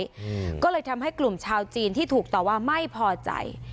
อืมก็เลยทำให้กลุ่มชาวจีนที่ถูกต่อว่าไม่พอใจ